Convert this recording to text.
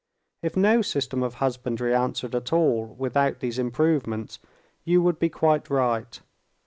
If no system of husbandry answered at all without these improvements, you would be quite right.